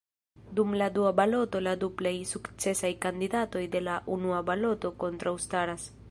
Dum la dua baloto la du plej sukcesaj kandidatoj de la unua baloto kontraŭstaras.